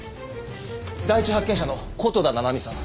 第一発見者の琴田七海さん。